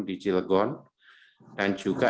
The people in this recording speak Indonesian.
di cilgon dan juga